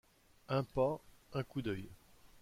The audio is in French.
Un pas, un coup-d’œil !